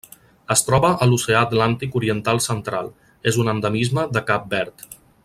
Es troba a l'Oceà Atlàntic oriental central: és un endemisme de Cap Verd.